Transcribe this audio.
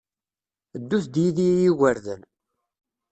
Ddut-d yid-i a igerdan.